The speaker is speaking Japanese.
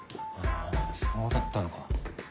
そうだったのか。